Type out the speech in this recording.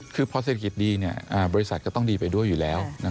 คือพอเศรษฐกิจดีบริษัทก็ต้องดีไปด้วยอยู่แล้ว